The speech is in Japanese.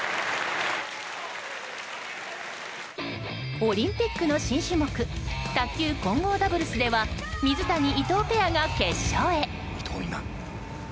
オリンピックの新種目卓球混合ダブルスでは水谷、伊藤ペアが決勝へ。